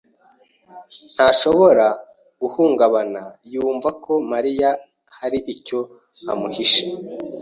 ntashobora guhungabana yumva ko Mariya hari icyo amuhishe.